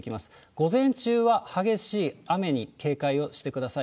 午前中は激しい雨に警戒をしてください。